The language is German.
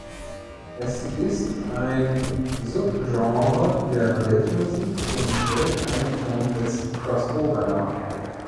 Es ist ein Subgenre der Weltmusik und stellt eine Form des Crossover dar.